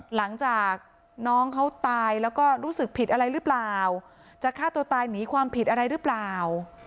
หลังจากน้องเขาตายแล้วก็รู้สึกผิดอะไรหรือเปล่าจะฆ่าตัวตายหนีความผิดอะไรหรือเปล่า